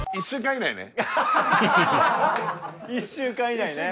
１週間以内ね。